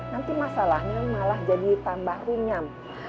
nanti masalahnya malah jadi tambah rinyam